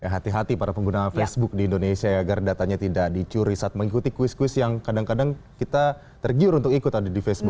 hati hati para pengguna facebook di indonesia ya agar datanya tidak dicuri saat mengikuti kuis kuis yang kadang kadang kita tergiur untuk ikut ada di faceboo